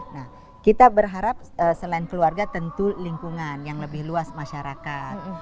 nah kita berharap selain keluarga tentu lingkungan yang lebih luas masyarakat